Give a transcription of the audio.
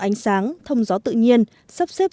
ánh sáng thông gió tự nhiên sắp xếp